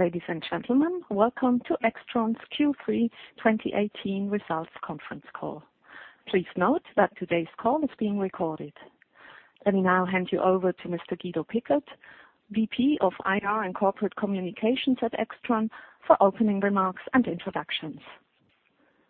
Ladies and gentlemen, welcome to AIXTRON's Q3 2018 results conference call. Please note that today's call is being recorded. Let me now hand you over to Mr. Guido Pickert, VP of IR and Corporate Communications at AIXTRON for opening remarks and introductions.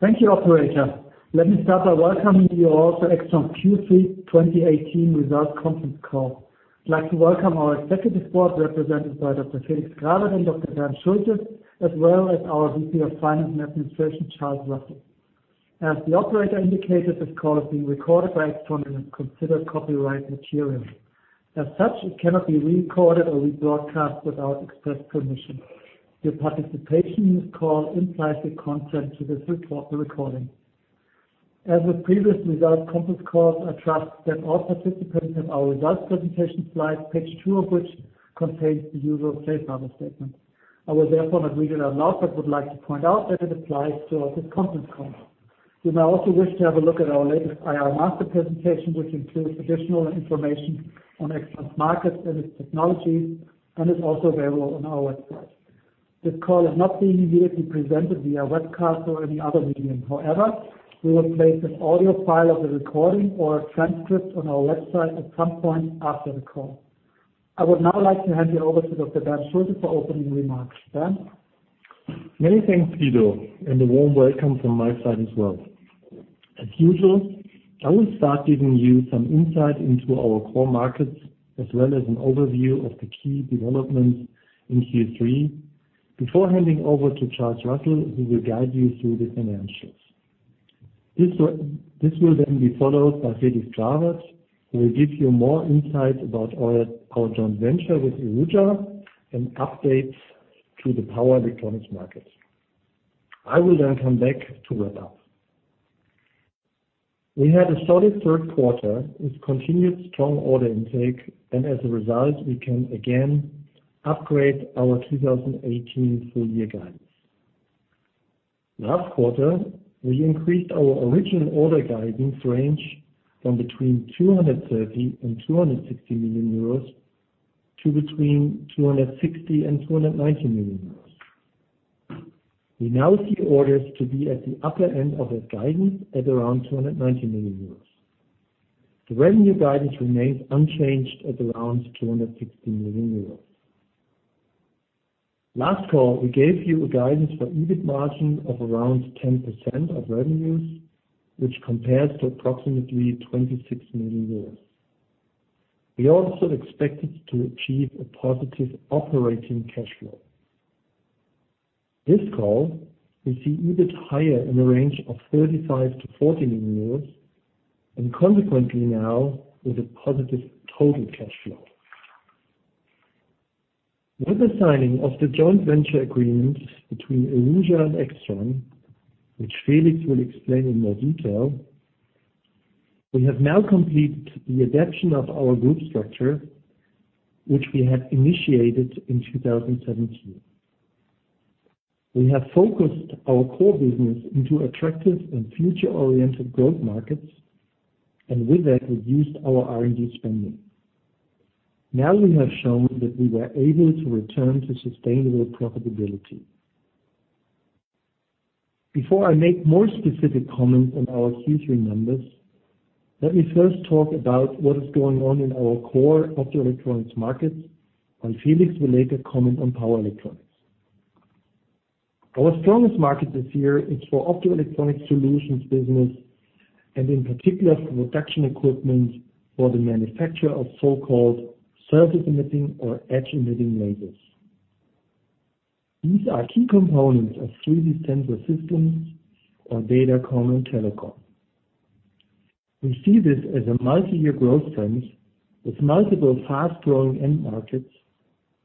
Thank you, operator. Let me start by welcoming you all to AIXTRON's Q3 2018 results conference call. I'd like to welcome our Executive Board, represented by Dr. Felix Grawert and Dr. Bernd Schulte, as well as our VP of Finance and Administration, Charles Russell. As the operator indicated, this call is being recorded by AIXTRON and is considered copyright material. As such, it cannot be re-recorded or rebroadcast without express permission. Your participation in this call implies your consent to this recording. As with previous results conference calls, I trust that all participants have our results presentation slides, page two of which contains the usual safe harbor statement. I will therefore not read it out loud, but would like to point out that it applies to this conference call. You may also wish to have a look at our latest IR master presentation, which includes additional information on AIXTRON's markets and its technology, and is also available on our website. This call is not being immediately presented via webcast or any other medium. We will place an audio file of the recording or a transcript on our website at some point after the call. I would now like to hand you over to Dr. Bernd Schulte for opening remarks. Bernd? Many thanks, Guido, and a warm welcome from my side as well. As usual, I will start giving you some insight into our core markets as well as an overview of the key developments in Q3 before handing over to Charles Russell, who will guide you through the financials. This will be followed by Felix Grawert, who will give you more insight about our joint venture with IRUJA and updates to the power electronics market. I will come back to wrap up. We had a solid third quarter with continued strong order intake, and as a result, we can again upgrade our 2018 full-year guidance. Last quarter, we increased our original order guidance range from between 230 million and 260 million euros to between 260 million and 290 million euros. We now see orders to be at the upper end of that guidance at around 290 million euros. The revenue guidance remains unchanged at around 260 million euros. Last call, we gave you a guidance for EBIT margin of around 10% of revenues, which compares to approximately 26 million euros. We also expected to achieve a positive operating cash flow. This call will see EBIT higher in the range of 35 million-40 million euros, and consequently now with a positive total cash flow. With the signing of the joint venture agreement between IRUJA and AIXTRON, which Felix will explain in more detail, we have now completed the adaptation of our group structure, which we had initiated in 2017. We have focused our core business into attractive and future-oriented growth markets and with that reduced our R&D spending. Now we have shown that we were able to return to sustainable profitability. Before I make more specific comments on our Q3 numbers, let me first talk about what is going on in our core optoelectronics markets, and Felix will later comment on power electronics. Our strongest market this year is for optoelectronics solutions business, and in particular for production equipment for the manufacture of so-called surface-emitting or edge-emitting lasers. These are key components of 3D sensor systems or data comm and telecom. We see this as a multi-year growth trend with multiple fast-growing end markets,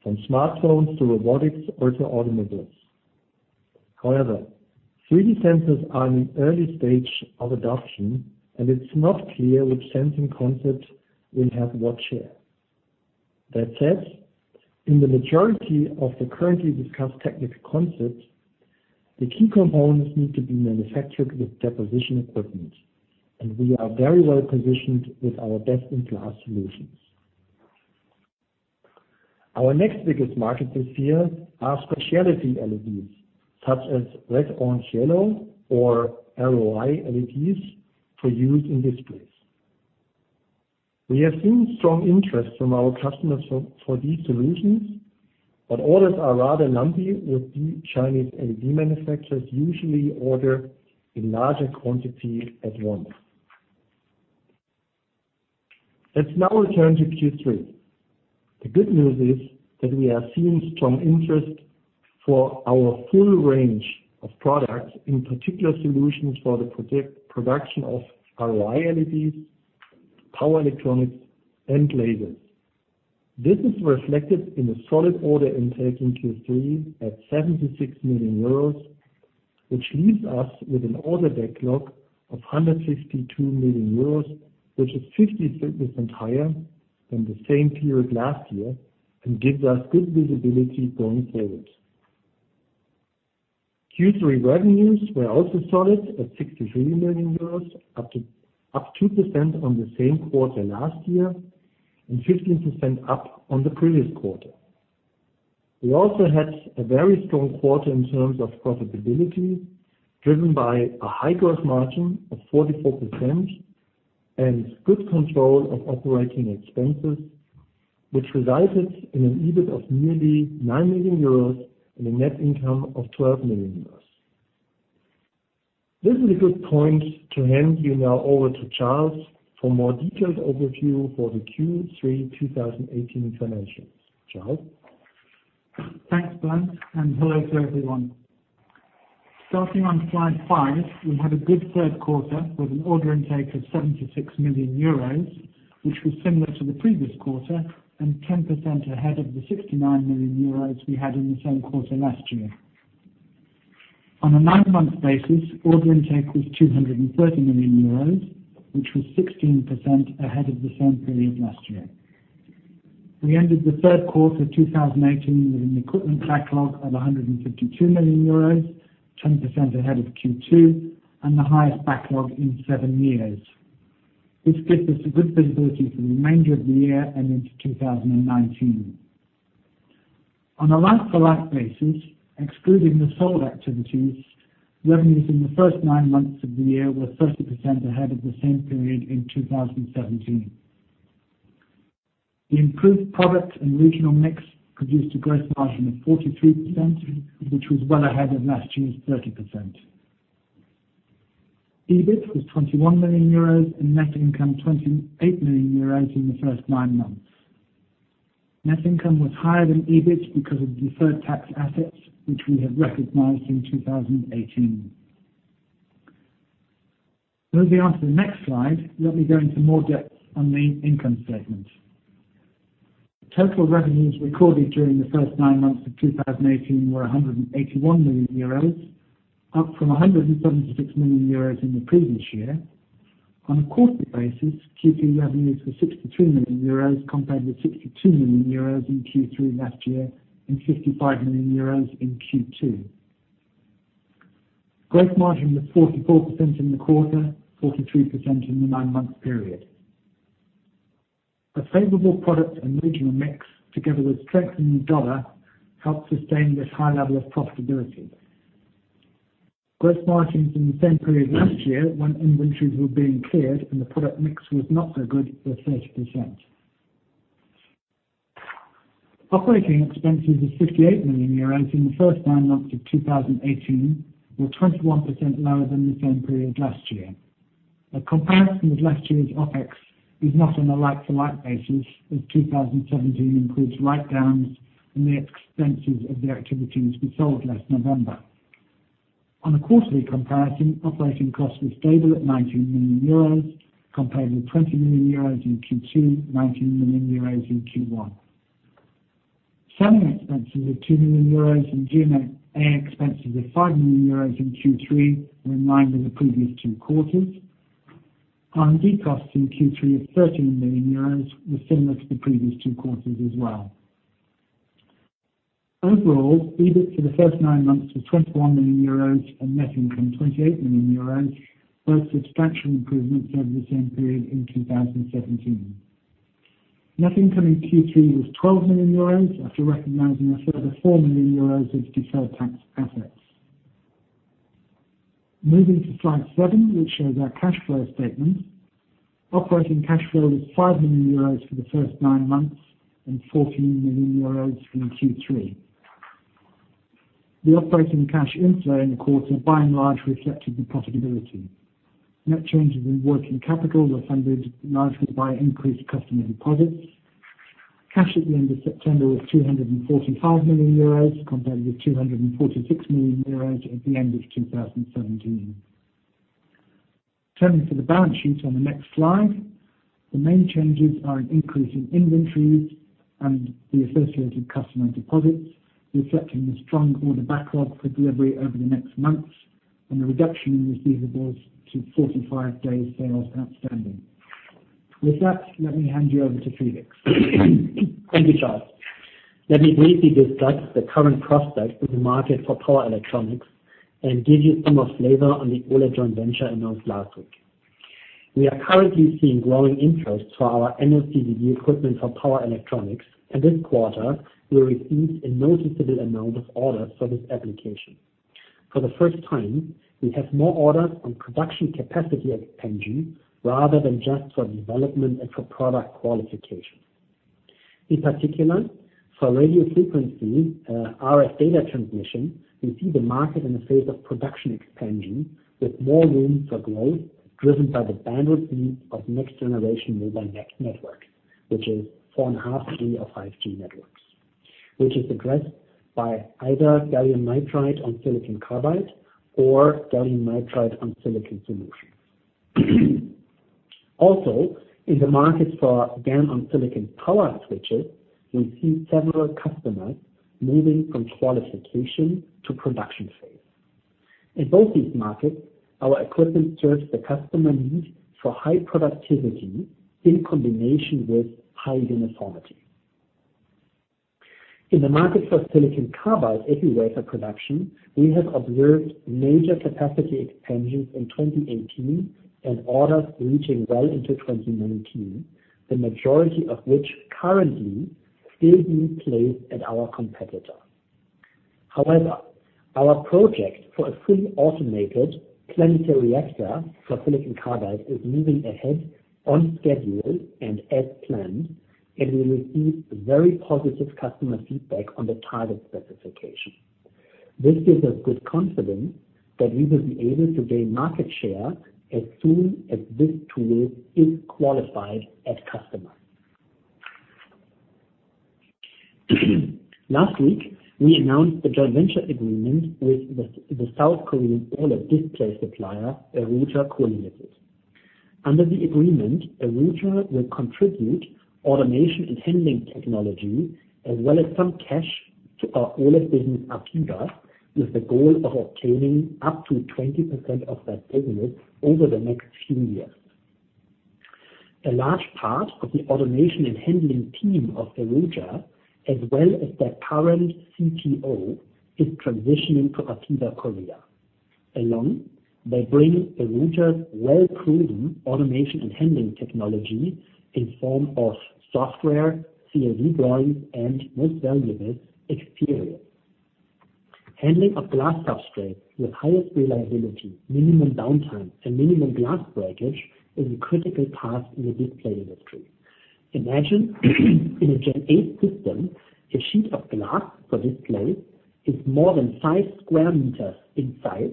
from smartphones to robotics or to automobiles. However, 3D sensors are in the early stage of adoption, and it's not clear which sensing concept will have what share. That said, in the majority of the currently discussed technical concepts, the key components need to be manufactured with deposition equipment, and we are very well positioned with our best-in-class solutions. Our next biggest markets this year are specialty LEDs, such as Red, Orange, and Yellow, or ROY LEDs for use in displays. We have seen strong interest from our customers for these solutions, but orders are rather lumpy with the Chinese LED manufacturers usually order in larger quantity at once. Let's now return to Q3. The good news is that we have seen strong interest for our full range of products, in particular solutions for the production of ROY LEDs, power electronics, and lasers. This is reflected in a solid order intake in Q3 at 76 million euros, which leaves us with an order backlog of 162 million euros, which is 56% higher than the same period last year and gives us good visibility going forward. Q3 revenues were also solid at 63 million euros, up 2% on the same quarter last year, and 15% up on the previous quarter. We also had a very strong quarter in terms of profitability, driven by a high gross margin of 44% and good control of operating expenses, which resulted in an EBIT of nearly 9 million euros and a net income of 12 million euros. This is a good point to hand you now over to Charles for a more detailed overview for the Q3 2018 financials. Charles? Thanks, Bernd, and hello to everyone. Starting on slide five, we had a good third quarter with an order intake of 76 million euros, which was similar to the previous quarter and 10% ahead of the 69 million euros we had in the same quarter last year. On a nine-month basis, order intake was 230 million euros, which was 16% ahead of the same period last year. We ended the third quarter of 2018 with an equipment backlog of 152 million euros, 10% ahead of Q2 and the highest backlog in seven years. This gives us a good visibility for the remainder of the year and into 2019. On a like-for-like basis, excluding the sold activities, revenues in the first nine months of the year were 30% ahead of the same period in 2017. The improved product and regional mix produced a gross margin of 43%, which was well ahead of last year's 30%. EBIT was 21 million euros and net income, 28 million euros in the first nine months. Net income was higher than EBIT because of deferred tax assets, which we have recognized in 2018. Moving on to the next slide, we'll be going into more depth on the income statement. Total revenues recorded during the first nine months of 2018 were 181 million euros, up from 176 million euros in the previous year. On a quarterly basis, Q3 revenues were 63 million euros, compared with 62 million euros in Q3 last year and 55 million euros in Q2. Gross margin was 44% in the quarter, 43% in the nine-month period. A favorable product and regional mix, together with strengthening dollar, helped sustain this high level of profitability. Gross margins in the same period last year when inventories were being cleared and the product mix was not so good, were 30%. Operating expenses of 58 million euros in the first nine months of 2018 were 21% lower than the same period last year. A comparison with last year's OpEx is not on a like-to-like basis, 2017 includes write-downs and the expenses of the activities we sold last November. On a quarterly comparison, operating costs were stable at 19 million euros, compared with 20 million euros in Q2, 19 million euros in Q1. Selling expenses of 2 million euros and G&A expenses of 5 million euros in Q3 were in line with the previous two quarters. R&D costs in Q3 of 13 million euros were similar to the previous two quarters as well. Overall, EBIT for the first nine months was 21 million euros and net income, 28 million euros, both substantial improvements over the same period in 2017. Net income in Q3 was 12 million euros, after recognizing a further 4 million euros of deferred tax assets. Moving to slide seven, which shows our cash flow statement. Operating cash flow was 5 million euros for the first nine months and 14 million euros in Q3. The operating cash inflow in the quarter by and large reflected the profitability. Net changes in working capital were funded largely by increased customer deposits. Cash at the end of September was 245 million euros, compared with 246 million euros at the end of 2017. Turning to the balance sheet on the next slide, the main changes are an increase in inventories and the associated customer deposits, reflecting the strong order backlog for delivery over the next months, and a reduction in receivables to 45 days sales outstanding. With that, let me hand you over to Felix. Thank you, Charles. Let me briefly discuss the current prospects in the market for power electronics and give you some more flavor on the OLED joint venture announced last week. We are currently seeing growing interest for our MOCVD equipment for power electronics, and this quarter we received a noticeable amount of orders for this application. For the first time, we have more orders on production capacity expansion rather than just for development and for product qualification. In particular, for radio frequency RF data transmission, we see the market in a phase of production expansion with more room for growth, driven by the bandwidth needs of next-generation mobile networks, which is 4.5G or 5G networks, which is addressed by either gallium nitride on silicon carbide or GaN on silicon solutions. Also, in the market for GaN on silicon power switches, we see several customers moving from qualification to production phase. In both these markets, our equipment serves the customer needs for high productivity in combination with high uniformity. In the market for silicon carbide epi wafer production, we have observed major capacity expansions in 2018 and orders reaching well into 2019, the majority of which currently still being placed at our competitor. However, our project for a fully automated Planetary Reactor for silicon carbide is moving ahead on schedule and as planned, and we receive very positive customer feedback on the target specification. This gives us good confidence that we will be able to gain market share as soon as this tool is qualified at customer. Last week, we announced a joint venture agreement with the South Korean OLED display supplier, IRUJA Co. Ltd. Under the agreement, IRUJA will contribute automation and handling technology as well as some cash to our OLED business, Apeva, with the goal of obtaining up to 20% of that business over the next few years. A large part of the automation and handling team of IRUJA, as well as their current CTO, is transitioning to Apeva Korea. Along, they bring IRUJA's well-proven automation and handling technology in form of software, CAD drawings, and most valuable, experience. Handling of glass substrate with highest reliability, minimum downtime, and minimum glass breakage is a critical task in the display industry. Imagine in a Gen 8 system, a sheet of glass for display is more than five square meters in size,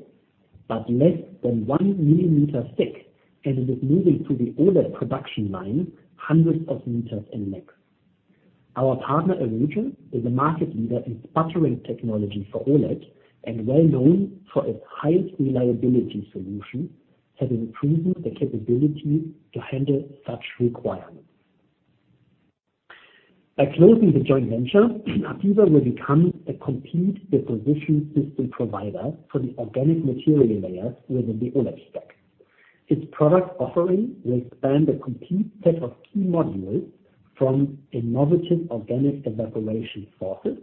but less than one millimeter thick, and it is moving through the OLED production line hundreds of meters in length. Our partner, IRUJA, is a market leader in sputtering technology for OLED and well-known for its highest reliability solution, having proven the capability to handle such requirements. By closing the joint venture, Apeva will become a complete deposition system provider for the organic material layers within the OLED stack. Its product offering will span the complete set of key modules from innovative organic evaporation sources,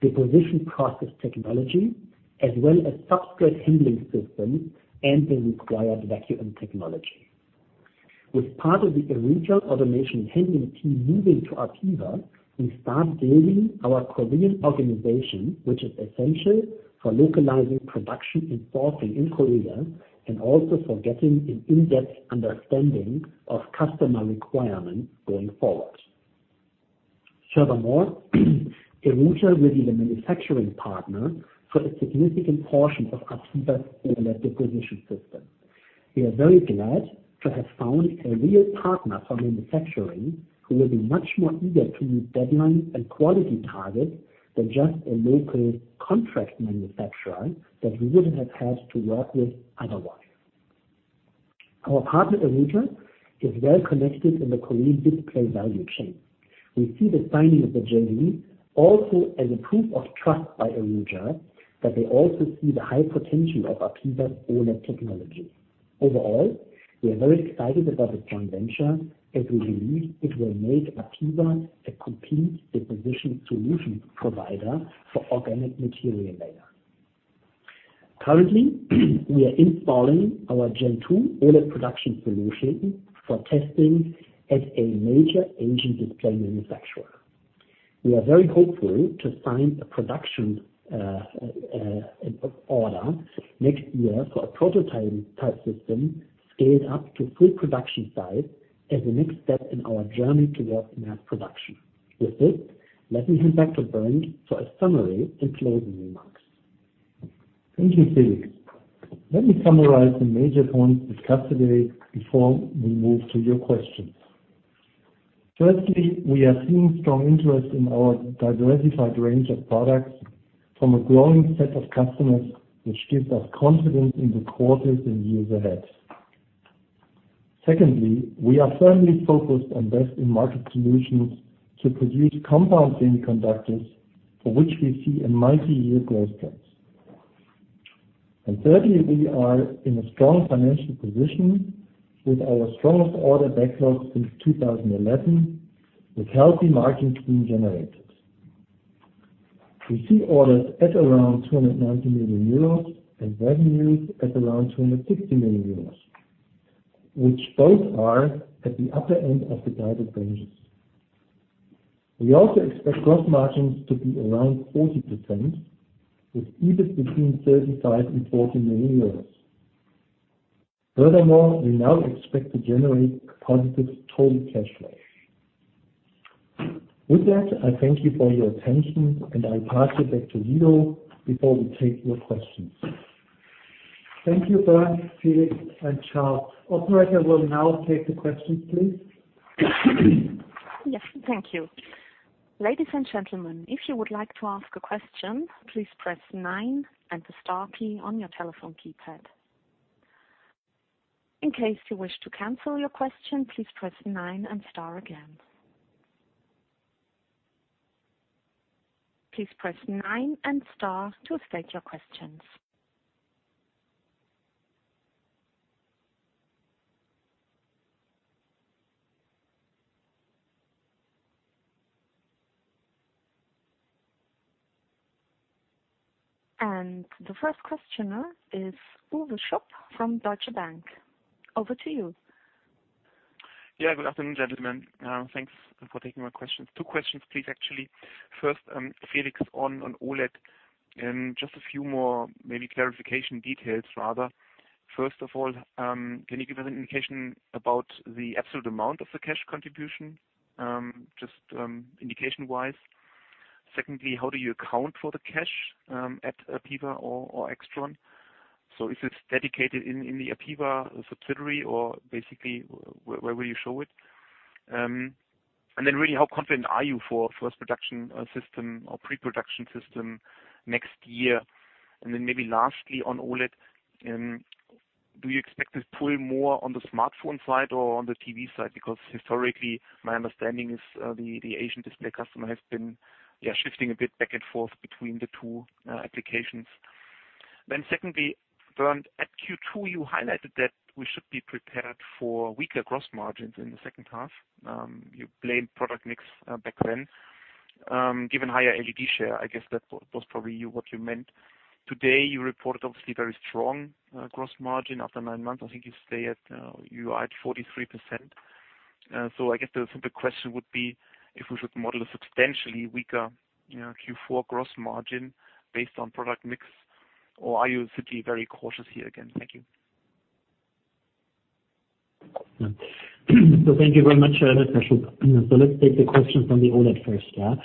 deposition process technology, as well as substrate handling systems and the required vacuum technology. With part of the IRUJA automation handling team moving to Apeva, we start building our Korean organization, which is essential for localizing production and sourcing in Korea, and also for getting an in-depth understanding of customer requirements going forward. Furthermore, IRUJA will be the manufacturing partner for a significant portion of Apeva's OLED deposition system. We are very glad to have found a real partner for manufacturing who will be much more eager to meet deadlines and quality targets than just a local contract manufacturer that we would have had to work with otherwise. Our partner, IRUJA, is well-connected in the Korean display value chain. We see the signing of the JV also as a proof of trust by IRUJA, that they also see the high potential of Apeva's OLED technology. Overall, we are very excited about the joint venture, as we believe it will make Apeva a complete deposition solution provider for organic material layer. Currently, we are installing our Gen 2 OLED production solution for testing at a major Asian display manufacturer. We are very hopeful to sign a production order next year for a prototype type system scaled up to full production size as a next step in our journey towards mass production. With this, let me hand back to Bernd for a summary and closing remarks. Thank you, Felix. Let me summarize the major points discussed today before we move to your questions. Firstly, we are seeing strong interest in our diversified range of products from a growing set of customers, which gives us confidence in the quarters and years ahead. Secondly, we are firmly focused on best-in-market solutions to produce compound semiconductors, for which we see a multiyear growth trend. Thirdly, we are in a strong financial position with our strongest order backlog since 2011, with healthy margins being generated. We see orders at around 290 million euros and revenues at around 260 million euros, which both are at the upper end of the guided ranges. We also expect gross margins to be around 40%, with EBIT between 35 million euros and 40 million euros. Furthermore, we now expect to generate positive total cash flow. With that, I thank you for your attention, and I pass you back to Guido before we take your questions. Thank you, Bernd, Felix, and Charles. Operator, we will now take the questions, please. Yes, thank you. Ladies and gentlemen, if you would like to ask a question, please press 9 and the star key on your telephone keypad. In case you wish to cancel your question, please press 9 and star again. Please press 9 and star to state your questions. The first questioner is Uwe Schupp from Deutsche Bank. Over to you. Good afternoon, gentlemen. Thanks for taking my questions. Two questions, please, actually. First, Felix on OLED, just a few more maybe clarification details, rather. First of all, can you give an indication about the absolute amount of the cash contribution, just indication-wise? Secondly, how do you account for the cash at Apeva or AIXTRON? Is this dedicated in the Apeva subsidiary, or basically, where will you show it? Then really, how confident are you for first production system or pre-production system next year? Then maybe lastly on OLED, do you expect to pull more on the smartphone side or on the TV side? Because historically, my understanding is the Asian display customer has been shifting a bit back and forth between the two applications. Then secondly, Bernd, at Q2, you highlighted that we should be prepared for weaker gross margins in the second half. You blamed product mix back then. Given higher LED share, I guess that was probably what you meant. Today, you reported obviously very strong gross margin after 9 months. I think you are at 43%. I guess the simple question would be if we should model a substantially weaker Q4 gross margin based on product mix, or are you simply very cautious here again? Thank you. Thank you very much, Uwe Schupp. Let's take the question from the OLED first.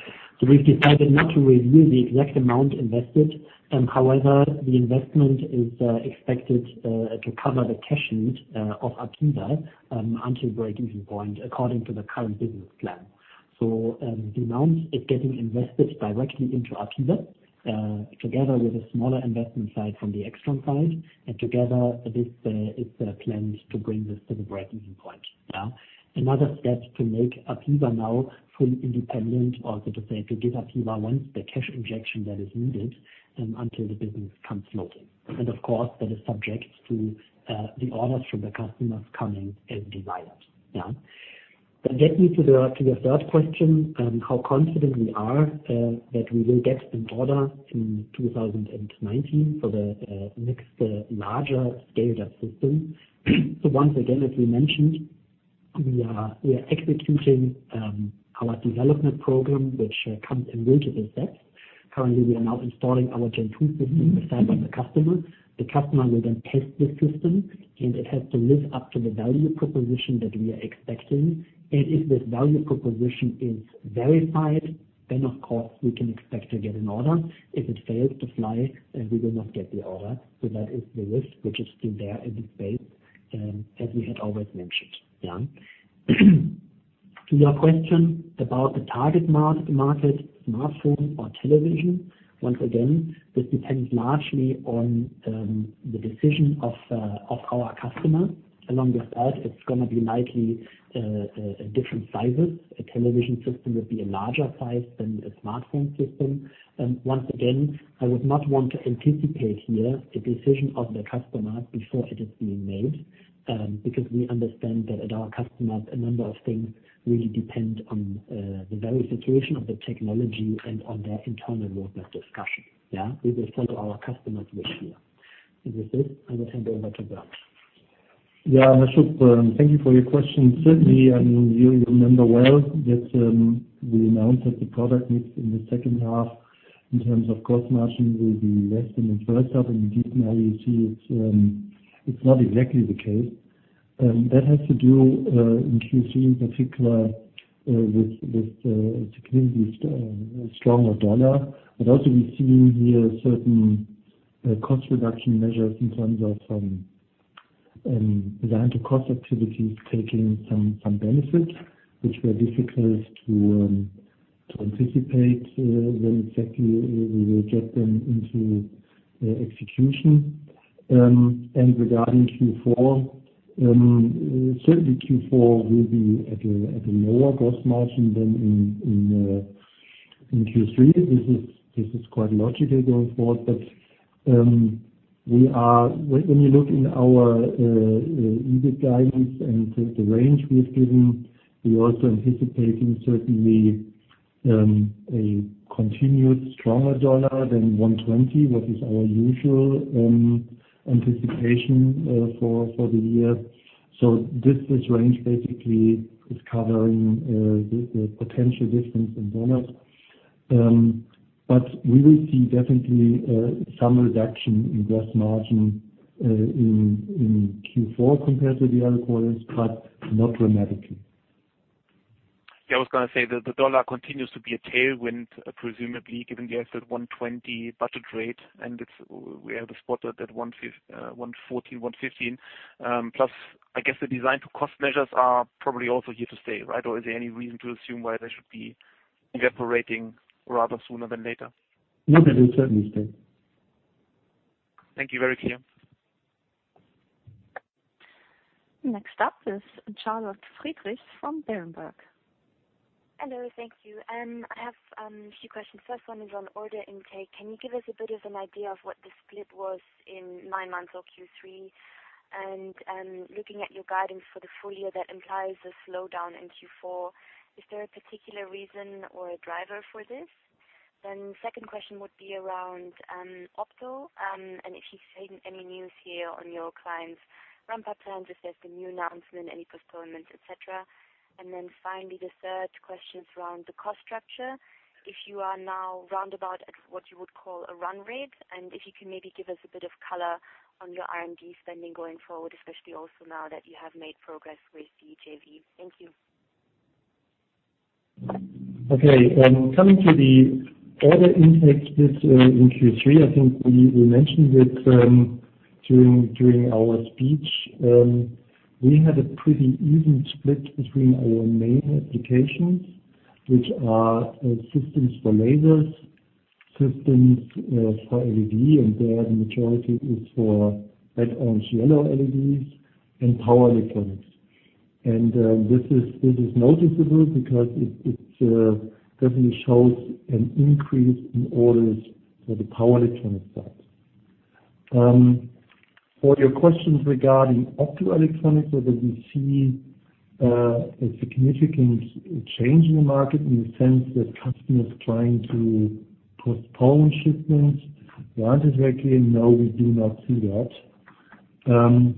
We've decided not to review the exact amount invested. However, the investment is expected to cover the cash needs of Apeva until break-even point according to the current business plan. The amount is getting invested directly into Apeva, together with a smaller investment side from the AIXTRON side. Together, this is the plan to bring this to the break-even point. Another step to make Apeva now fully independent, or so to say, to give Apeva once the cash injection that is needed until the business comes floating. Of course, that is subject to the orders from the customers coming as desired. That leads me to your third question, how confident we are that we will get an order in 2019 for the next larger scale of system. Once again, as we mentioned, we are executing our development program, which comes in multiple steps. Currently, we are now installing our Gen 2 system beside the customer. The customer will test this system, and it has to live up to the value proposition that we are expecting. If this value proposition is verified, of course, we can expect to get an order. If it fails to fly, we will not get the order. That is the risk, which is still there and is based, as we had always mentioned. To your question about the target market, smartphone or television. Once again, this depends largely on the decision of our customer. Along with that, it's going to be likely different sizes. A television system would be a larger size than a smartphone system. Once again, I would not want to anticipate here the decision of the customer before it is being made, because we understand that at our customers, a number of things really depend on the very situation of the technology and on their internal roadmap discussion. We will follow our customer's wish here. With this, I will hand over to Bernd. Schupp, thank you for your question. Certainly, you remember well that we announced that the product mix in the second half in terms of gross margin will be less than in first half, and indeed now you see it's not exactly the case. That has to do, in Q3 in particular, with the clearly stronger dollar. But also, we see here certain cost reduction measures in terms of Design to Cost activities taking some benefit, which were difficult to anticipate when exactly we will get them into execution. Regarding Q4, certainly Q4 will be at a lower gross margin than in Q3. This is quite logical going forward. When you look in our EBIT guidance and the range we have given, we're also anticipating certainly a continued stronger dollar than 120, what is our usual anticipation for the year. This range basically is covering the potential difference in dollars. We will see definitely some reduction in gross margin in Q4 compared to the other quarters, but not dramatically. Yeah, I was going to say that the dollar continues to be a tailwind, presumably, given the S at 120 budget rate, we have a spot at 114, 115. Plus, I guess the Design to Cost measures are probably also here to stay, right? Or is there any reason to assume why they should be evaporating rather sooner than later? No, they will certainly stay. Thank you. Very clear. Next up is Charlotte Friedrichs from Berenberg. Hello. Thank you. I have a few questions. First one is on order intake. Can you give us a bit of an idea of what the split was in nine months or Q3? Looking at your guidance for the full year, that implies a slowdown in Q4. Is there a particular reason or a driver for this? Second question would be around opto, and if you've seen any news here on your clients' ramp-up plans, if there's the new announcement, any postponements, et cetera. Finally, the third question is around the cost structure. If you are now roundabout at what you would call a run rate, and if you can maybe give us a bit of color on your R&D spending going forward, especially also now that you have made progress with the JV. Thank you. Okay. Coming to the order intake split in Q3, I think we mentioned it during our speech. We had a pretty even split between our main applications, which are systems for lasers, systems for LED, and there the majority is for red, orange, yellow LEDs and power electronics. This is noticeable because it definitely shows an increase in orders for the power electronics side. For your questions regarding optoelectronics, whether we see a significant change in the market in the sense that customers trying to postpone shipments. To answer directly, no, we do not see that.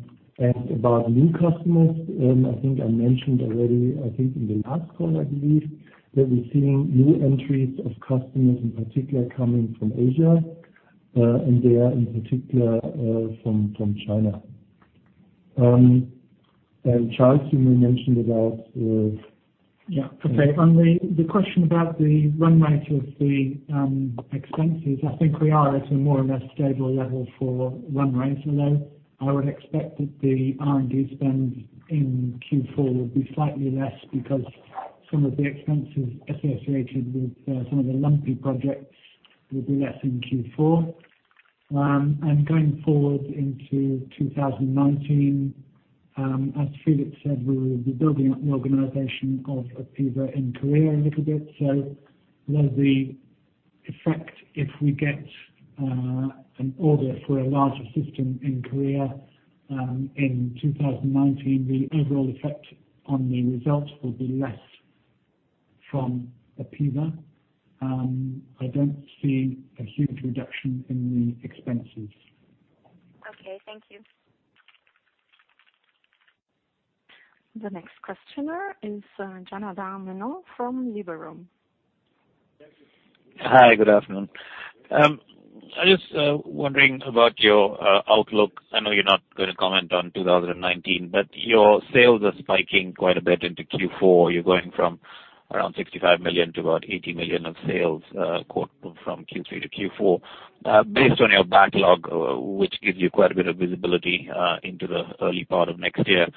About new customers, I think I mentioned already, I think in the last call, I believe, that we're seeing new entries of customers in particular coming from Asia, and they are in particular from China. Charles, you may mention about- Okay. On the question about the run rate of the expenses, I think we are at a more or less stable level for run rates, although I would expect that the R&D spend in Q4 will be slightly less because some of the expenses associated with some of the lumpy projects will be less in Q4. Going forward into 2019, as Felix said, we will be building up an organization of Apeva in Korea a little bit. So there's the effect if we get an order for a larger system in Korea, in 2019, the overall effect on the results will be less from Apeva. I don't see a huge reduction in the expenses. Okay. Thank you. The next questioner is Janardan Menon from Liberum. Hi, good afternoon. I'm just wondering about your outlook. I know you're not going to comment on 2019, but your sales are spiking quite a bit into Q4. You're going from around 65 million to about 80 million of sales, quote from Q3 to Q4. Based on your backlog, which gives you quite a bit of visibility into the early part of next year,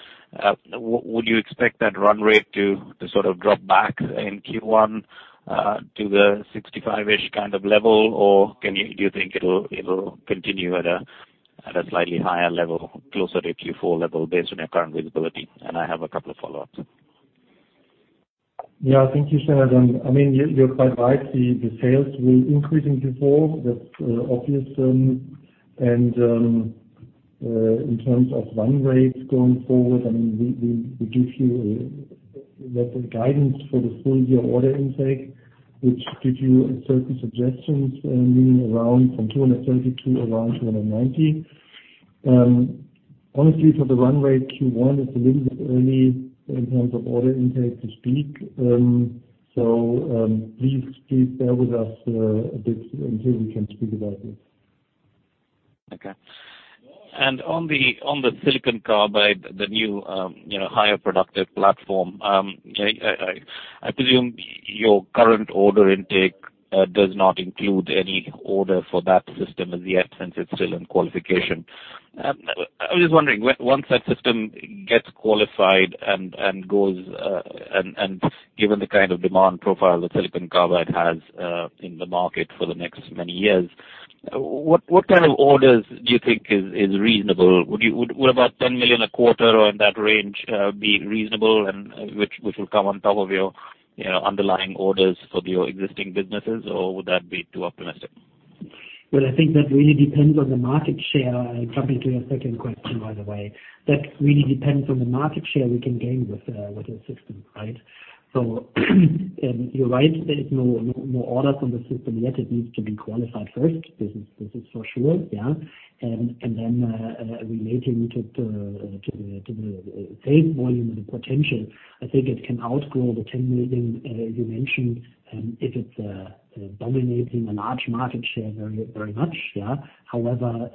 would you expect that run rate to sort of drop back in Q1 to the 65-ish kind of level, or do you think it'll continue at a slightly higher level, closer to Q4 level based on your current visibility? I have a couple of follow-ups. Yeah. Thank you, Janardan. You're quite right. The sales will increase in Q4, that's obvious. In terms of run rates going forward, we give you that guidance for the full year order intake, which give you certain suggestions, meaning around from 230 million to around 290 million. Honestly, for the run rate Q1 is a little bit early in terms of order intake to speak. Please bear with us a bit until we can speak about it. Okay. On the silicon carbide, the new higher productive platform, I presume your current order intake does not include any order for that system as yet, since it's still in qualification. I was just wondering, once that system gets qualified and given the kind of demand profile that silicon carbide has in the market for the next many years, what kind of orders do you think is reasonable? Would about 10 million a quarter or in that range be reasonable, Which will come on top of your underlying orders for your existing businesses, or would that be too optimistic? Well, I think that really depends on the market share. Jumping to your second question, by the way. That really depends on the market share we can gain with the system. Right? You're right, there is no orders on the system yet. It needs to be qualified first. This is for sure. Yeah. Then relating it to the sales volume and the potential, I think it can outgrow the 10 million you mentioned, if it's dominating a large market share very much. Yeah. However,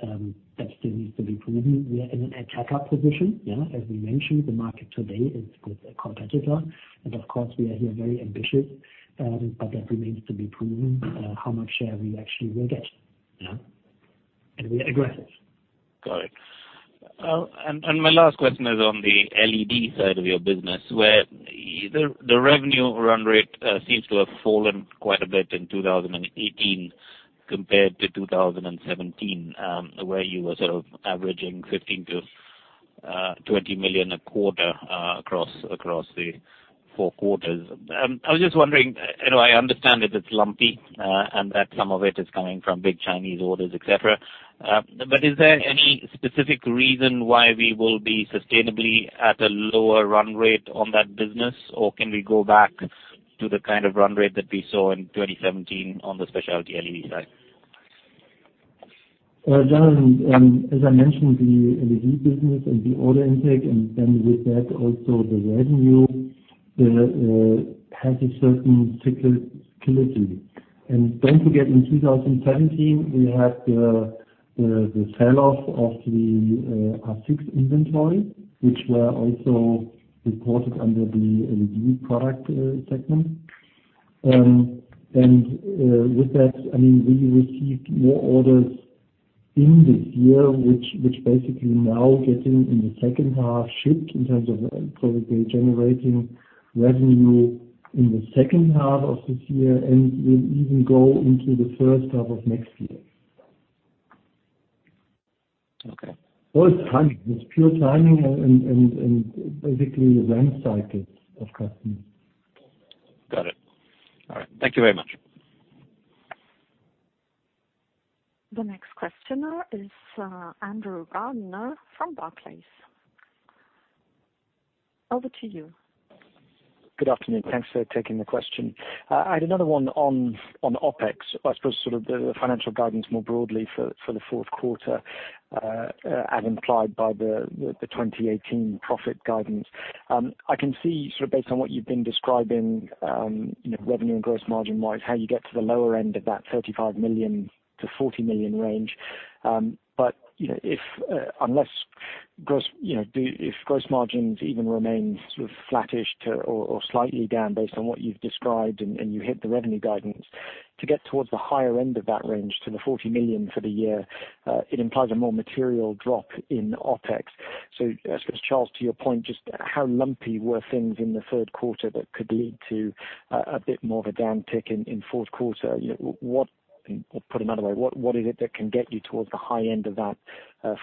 that still needs to be proven. We are in a catch-up position. Yeah. As we mentioned, the market today is with a competitor. Of course, we are here very ambitious, but that remains to be proven how much share we actually will get. Yeah. We are aggressive. Got it. My last question is on the LED side of your business, where the revenue run rate seems to have fallen quite a bit in 2018 compared to 2017, where you were sort of averaging 15 million-20 million a quarter across the four quarters. I was just wondering, I understand that it's lumpy and that some of it is coming from big Chinese orders, et cetera. Is there any specific reason why we will be sustainably at a lower run rate on that business? Can we go back to the kind of run rate that we saw in 2017 on the specialty LED side? Well, Janardan, as I mentioned, the LED business and the order intake, then with that, also the revenue has a certain cyclicality. Don't forget, in 2017, we had the sell-off of the AIX R6 inventory, which were also reported under the LED product segment. With that, we received more orders in this year, which basically now getting in the second half shipped in terms of probably generating revenue in the second half of this year, and will even go into the first half of next year. Okay. Well, it's timing. It's pure timing and basically the run cycles of customers. Got it. All right. Thank you very much. The next questioner is Andrew Gardiner from Barclays. Over to you. Good afternoon. Thanks for taking the question. I had another one on OpEx. I suppose sort of the financial guidance more broadly for the fourth quarter, as implied by the 2018 profit guidance. If gross margins even remain sort of flattish or slightly down based on what you've described, and you hit the revenue guidance, to get towards the higher end of that range to the 40 million for the year, it implies a more material drop in OpEx. I suppose, Charles, to your point, just how lumpy were things in the third quarter that could lead to a bit more of a down tick in fourth quarter? Put another way, what is it that can get you towards the high end of that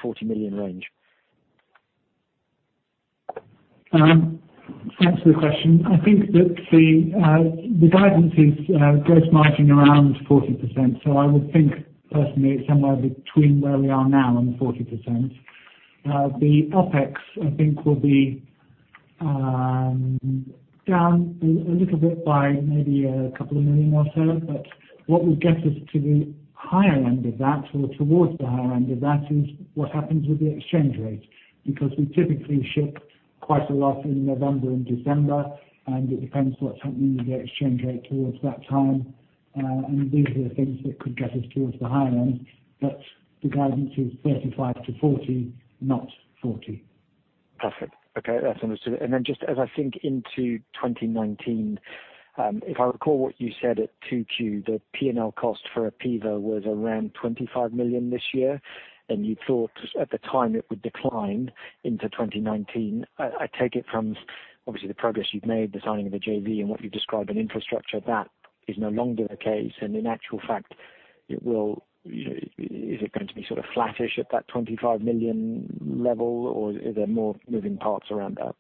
40 million range? Thanks for the question. I think that the guidance is gross margin around 40%. I would think personally it's somewhere between where we are now and 40%. The OpEx, I think will be down a little bit by maybe a couple of million or so. What will get us to the higher end of that or towards the higher end of that is what happens with the exchange rate. We typically ship quite a lot in November and December, and it depends what's happening with the exchange rate towards that time. These are the things that could get us towards the higher end. The guidance is 35%-40%, not 40%. Perfect. Okay. That's understood. Just as I think into 2019, if I recall what you said at 2Q, the P&L cost for Apeva was around 25 million this year, and you thought at the time it would decline into 2019. I take it from obviously the progress you've made, the signing of the JV and what you describe in infrastructure, that is no longer the case, and in actual fact, is it going to be sort of flattish at that 25 million level, or are there more moving parts around that?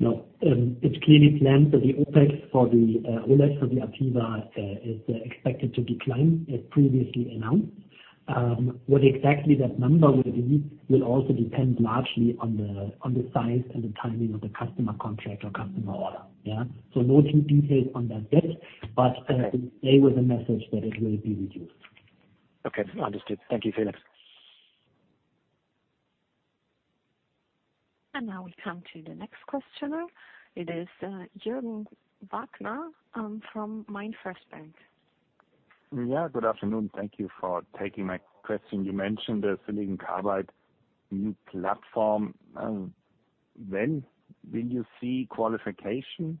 No. It's clearly planned that the OpEx for the OLED for the Apeva is expected to decline as previously announced. What exactly that number will be will also depend largely on the size and the timing of the customer contract or customer order. Yeah. No new details on that bit, but I would say with the message that it will be reduced. Okay. Understood. Thank you, Felix. Now we come to the next questioner. It is Jürgen Wagner from MainFirst Bank. Good afternoon. Thank you for taking my question. You mentioned the silicon carbide new platform. When will you see qualification?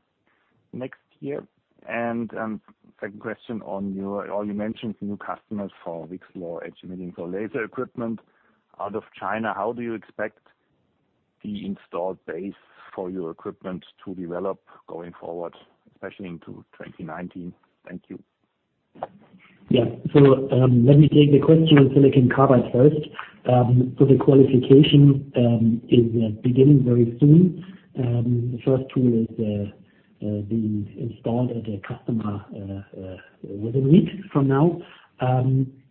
Next year? Second question on your. You mentioned new customers for VCSEL or edge-emitting for laser equipment out of China. How do you expect the installed base for your equipment to develop going forward, especially into 2019? Thank you. Let me take the question on silicon carbide first. The qualification is beginning very soon. The first tool is being installed at a customer within a week from now.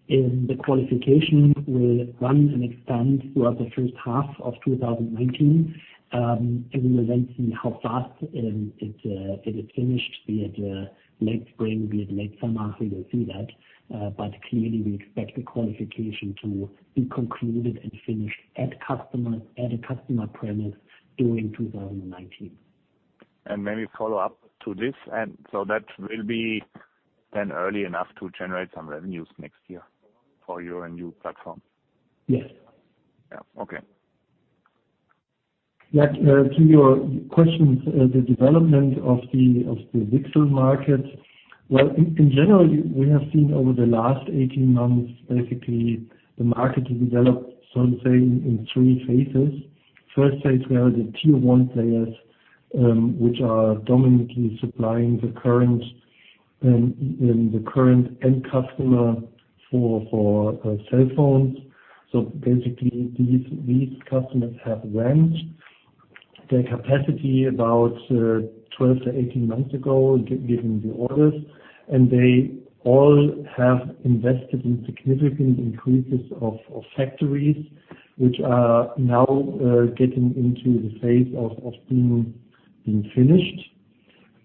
The qualification will run and expand throughout the first half of 2019. We will then see how fast it is finished, be it late spring, be it late summer. We will see that. Clearly, we expect the qualification to be concluded and finished at a customer premise during 2019. Maybe follow up to this. That will be then early enough to generate some revenues next year for your new platform? Yes. Yeah. Okay. To your questions, the development of the VCSEL market. Well, in general, we have seen over the last 18 months, basically the market has developed, I would say, in 3 phases. First phase, we have the tier 1 players, which are dominantly supplying the current end customer for cell phones. Basically these customers have ramped their capacity about 12 to 18 months ago, giving the orders. They all have invested in significant increases of factories, which are now getting into the phase of being finished.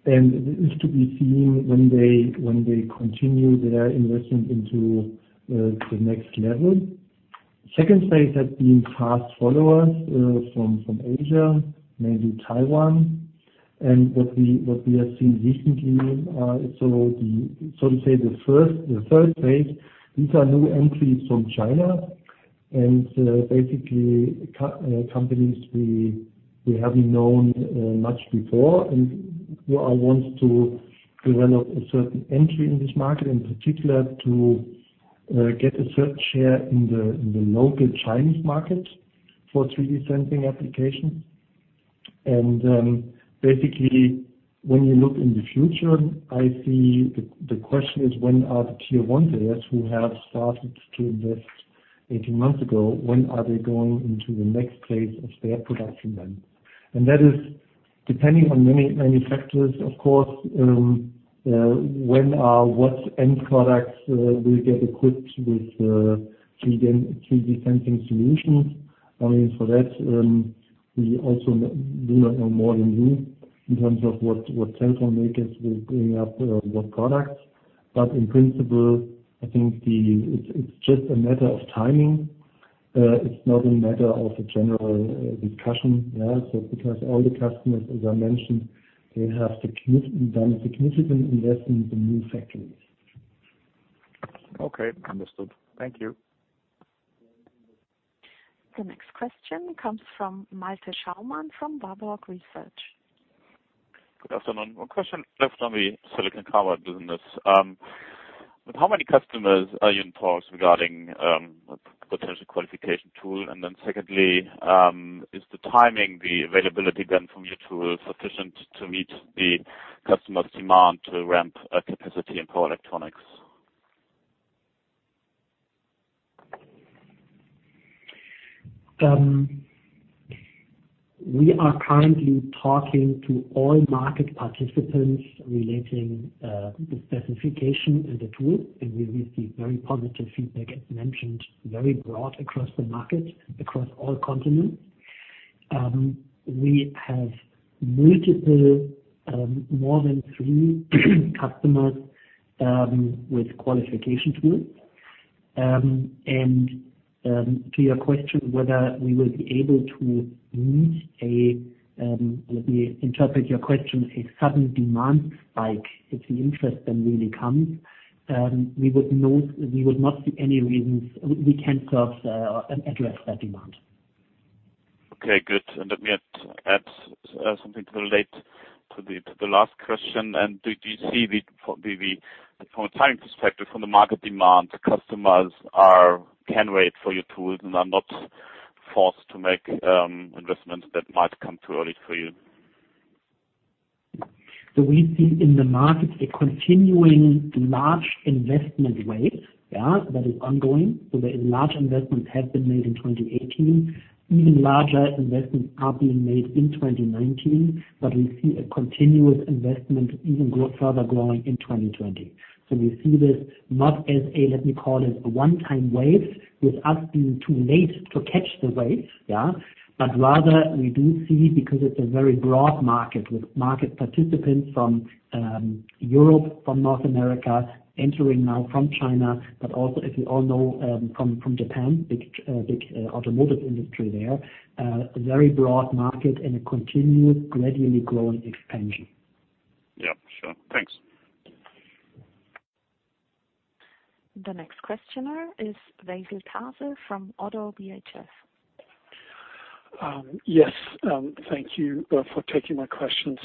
It is to be seen when they continue their investment into the next level. Second phase has been fast followers from Asia, maybe Taiwan. What we have seen recently, to say the 3rd phase, these are new entries from China. Basically companies we haven't known much before, and who are want to run up a certain entry in this market, in particular to get a certain share in the local Chinese market for 3D sensing applications. Basically, when you look in the future, I see the question is, when are the tier 1 players who have started to invest 18 months ago, when are they going into the next phase of their production then? That is depending on many factors, of course, what end products will get equipped with 3D sensing solutions. I mean, for that, we also do not know more than you in terms of what cell phone makers will bring up what products. In principle, I think it's just a matter of timing. It's not a matter of a general discussion. Because all the customers, as I mentioned, they have done a significant investment in new factories. Okay, understood. Thank you. The next question comes from Malte Schaumann from Warburg Research. Good afternoon. One question left on the silicon carbide business. With how many customers are you in talks regarding potential qualification tool? Secondly, is the timing, the availability then from your tool sufficient to meet the customer's demand to ramp capacity in power electronics? We are currently talking to all market participants relating the specification and the tool, and we receive very positive feedback, as mentioned, very broad across the market, across all continents. We have multiple, more than three customers with qualification tools. To your question, whether we will be able to meet a, let me interpret your question, a sudden demand spike, if the interest then really comes, we would not see any reasons we can't serve and address that demand. Okay, good. Let me add something to relate to the last question. Do you see the, from a timing perspective, from the market demand, customers can wait for your tools and are not forced to make investments that might come too early for you? We see in the market a continuing large investment wave that is ongoing. The large investments have been made in 2018. Even larger investments are being made in 2019. We see a continuous investment even further growing in 2020. We see this not as a, let me call it, a one-time wave with us being too late to catch the wave. Rather we do see, because it's a very broad market with market participants from Europe, from North America, entering now from China, but also, as we all know from Japan, big automotive industry there, a very broad market and a continuous gradually growing expansion. Yeah, sure. Thanks. The next questioner is Behzad Tazi from ODDO BHF. Yes, thank you for taking my questions.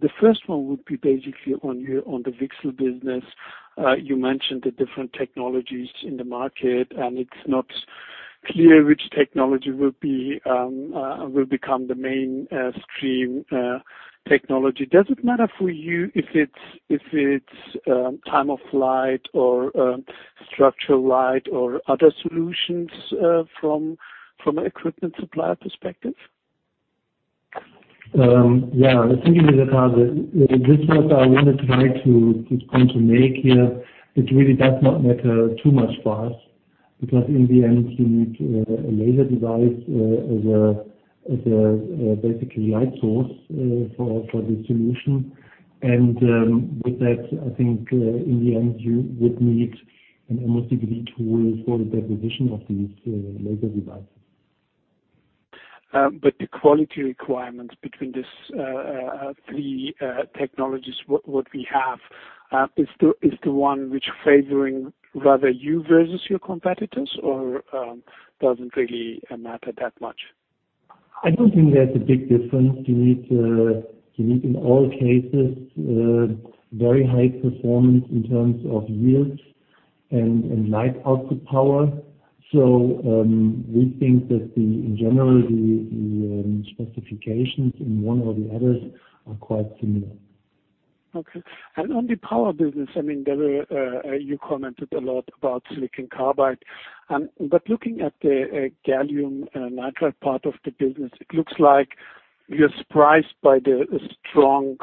The first one would be basically on the VCSEL business. You mentioned the different technologies in the market, and it's not clear which technology will become the mainstream technology. Does it matter for you if it's time of flight or structured light or other solutions from an equipment supplier perspective? Yeah. Thank you, Behzad. This was I want to try to point to make here. It really does not matter too much for us because in the end, you need a laser device as a basically light source for the solution. With that, I think in the end, you would need an MOCVD tool for the deposition of these laser devices. The quality requirements between these three technologies, what we have, is the one which favoring rather you versus your competitors or doesn't really matter that much? I don't think there's a big difference. You need in all cases very high performance in terms of yield Light output power. We think that in general, the specifications in one or the other are quite similar. Okay. On the power business, you commented a lot about silicon carbide. Looking at the gallium nitride part of the business, it looks like you're surprised by the strong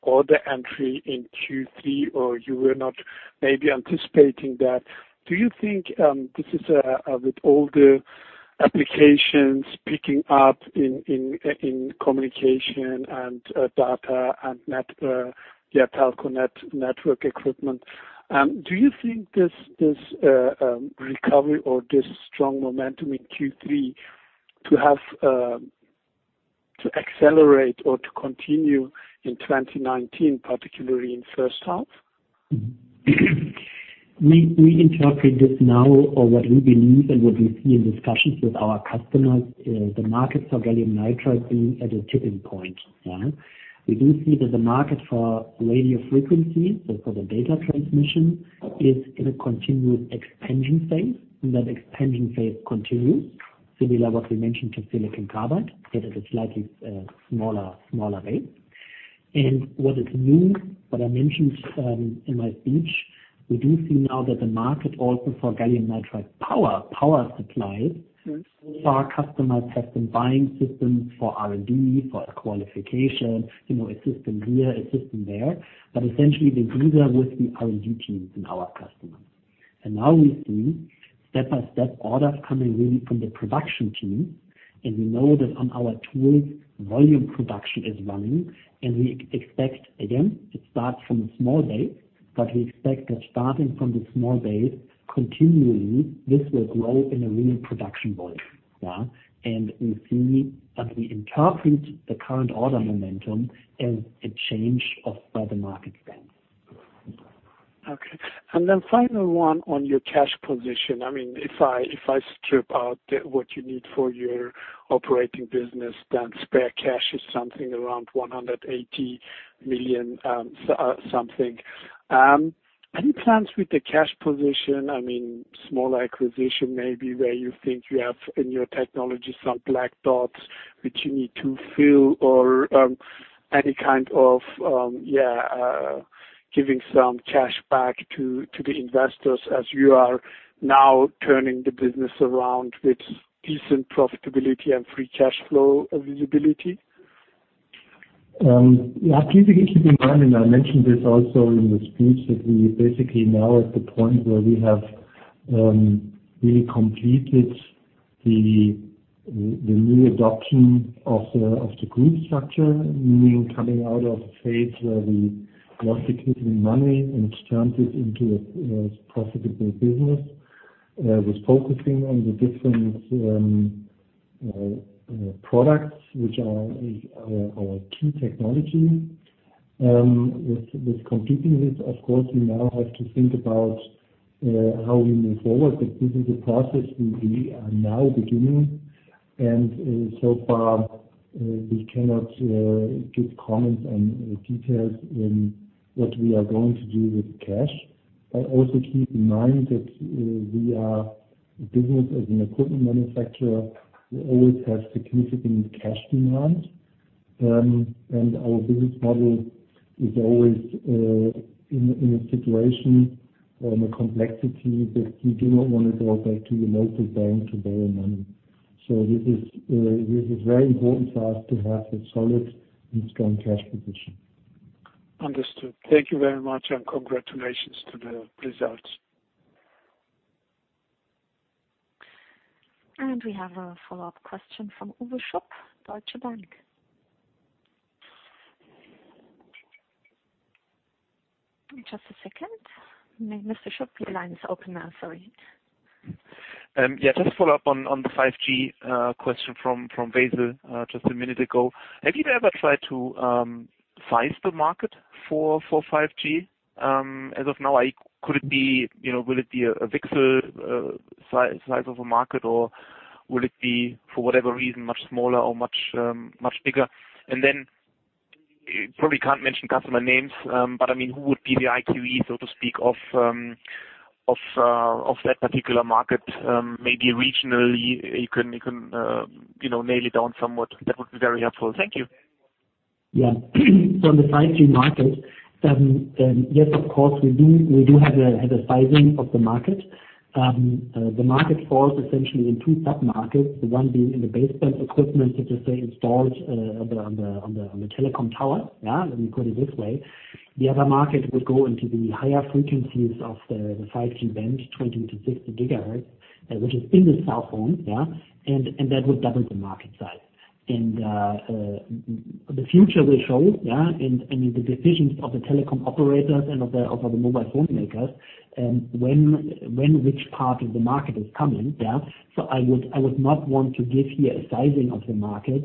order entry in Q3, or you were not maybe anticipating that. Do you think this is with all the applications picking up in communication and data and the telco network equipment, do you think this recovery or this strong momentum in Q3 to accelerate or to continue in 2019, particularly in first half? We interpret this now, or what we believe and what we see in discussions with our customers, is the markets for gallium nitride being at a tipping point. We do see that the market for radio frequencies, so for the data transmission, is in a continuous expansion phase, and that expansion phase continues, similar what we mentioned to silicon carbide, but at a slightly smaller rate. What is new, what I mentioned in my speech, we do see now that the market also for gallium nitride power supplies, so far customers have been buying systems for R&D, for a qualification, a system here, a system there. Essentially they do that with the R&D teams and our customers. Now we see step by step orders coming really from the production teams. We know that on our tools, volume production is running, and we expect, again, it starts from a small base, but we expect that starting from this small base, continually, this will grow in a real production volume. We interpret the current order momentum as a change of the market trend. Final one on your cash position. If I strip out what you need for your operating business, then spare cash is something around 180 million something. Any plans with the cash position? Small acquisition, maybe where you think you have in your technology some black dots which you need to fill or any kind of giving some cash back to the investors as you are now turning the business around with decent profitability and free cash flow visibility? Yeah. Please keep in mind, I mentioned this also in the speech, that we basically now at the point where we have really completed the new adoption of the group structure, meaning coming out of a phase where we lost significant money and turned it into a profitable business with focusing on the different products, which are our key technology. With completing this, of course, we now have to think about how we move forward. This is a process we are now beginning, so far, we cannot give comments and details in what we are going to do with cash. Also keep in mind that we are a business as an equipment manufacturer, we always have significant cash demand. Our business model is always in a situation or in a complexity that we do not want to go back to the local bank to borrow money. This is very important for us to have a solid and strong cash position. Understood. Thank you very much. Congratulations to the results. We have a follow-up question from Uwe Schupp, Deutsche Bank. Just a second. Mr. Schupp, your line is open now. Sorry. Yeah, just to follow up on the 5G question from Behzad just a minute ago. Have you ever tried to size the market for 5G? As of now, will it be a VCSEL size of a market or will it be, for whatever reason, much smaller or much bigger? Probably can't mention customer names, but who would be the IQE, so to speak, of that particular market? Maybe regionally you can nail it down somewhat. That would be very helpful. Thank you. Yeah. On the 5G market, yes, of course, we do have a sizing of the market. The market falls essentially in two sub-markets, the one being in the baseband equipment that is installed on the telecom tower. Let me put it this way. The other market would go into the higher frequencies of the 5G band, 20 to 60 gigahertz, which is in the cell phone. That would double the market size. The future will show, and the decisions of the telecom operators and of the mobile phone makers, when which part of the market is coming. I would not want to give here a sizing of the market,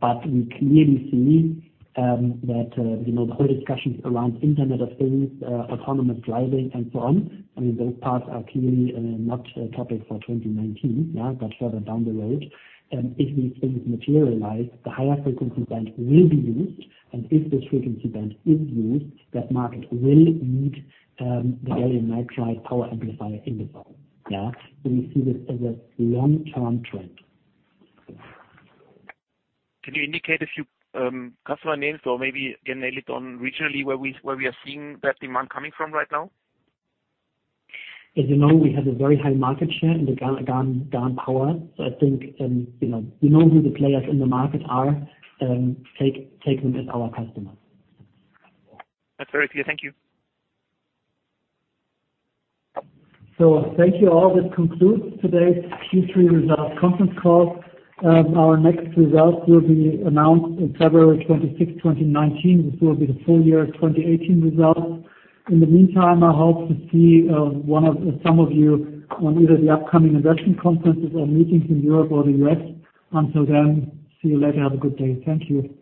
but we clearly see that the whole discussions around Internet of Things, autonomous driving, and so on, those parts are clearly not a topic for 2019, but further down the road. If these things materialize, the higher frequency band will be used, and if this frequency band is used, that market will need the gallium nitride power amplifier in the phone. We see this as a long-term trend. Can you indicate a few customer names or maybe again nail it on regionally where we are seeing that demand coming from right now? As you know, we have a very high market share in the GaN power. I think you know who the players in the market are. Take them as our customers. That's very clear. Thank you. Thank you, all. This concludes today's Q3 results conference call. Our next results will be announced on February 26th, 2019. This will be the full year 2018 results. In the meantime, I hope to see some of you on either the upcoming investment conferences or meetings in Europe or the U.S. Until then, see you later. Have a good day. Thank you.